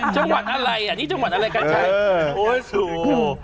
จังหวัดอะไรอ่ะนี่จังหวัดอะไรกันชัย